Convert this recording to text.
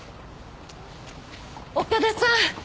岡田さん！